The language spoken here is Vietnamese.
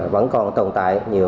vẫn còn tồn tại nhiều